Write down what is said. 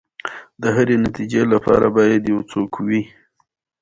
له نذیر لغاري سره یې داسې خبرې کولې.